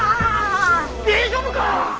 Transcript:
大丈夫か！？